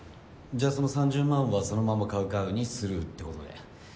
じゃあその３０万はそのままカウカウにスルーってことで。